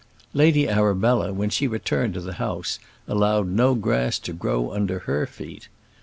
Lady Arabella, when she returned to the house, allowed no grass to grow under her feet.